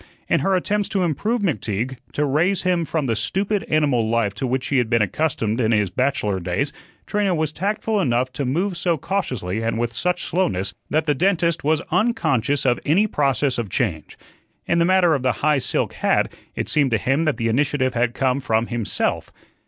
In her attempts to improve McTeague to raise him from the stupid animal life to which he had been accustomed in his bachelor days Trina was tactful enough to move so cautiously and with such slowness that the dentist was unconscious of any process of change. In the matter of the high silk hat, it seemed to him that the initiative had come from himself.